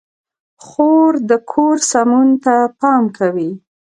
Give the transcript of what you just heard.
خور د کور سمون ته پام کوي.